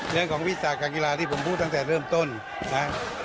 เรื่องของวิชาการกีฬาที่ผมพูดตั้งแต่เริ่มต้นนะ